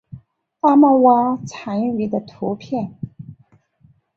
阿曼蛙蟾鱼的图片